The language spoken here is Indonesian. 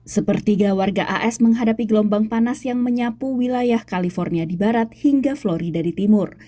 sepertiga warga as menghadapi gelombang panas yang menyapu wilayah california di barat hingga florida di timur